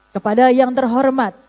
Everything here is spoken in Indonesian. kepada yang terhormat